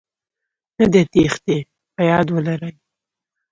نه دې تېښتې.په ياد ولرئ